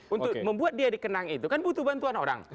untuk membuat dia dikenang itu kan butuh bantuan orang